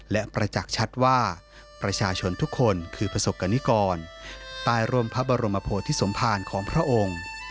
และประจักษ์ชัดว่าประชาชนทุกคนคือประสบกรณิกรใต้ร่มพระบรมโพธิสมภารของพระองค์